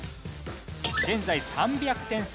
現在３００点差。